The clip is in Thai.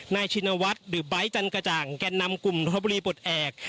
ชินวัฒน์หรือไบท์จันกระจ่างแก่นนำกลุ่มนทบุรีปลดแอบ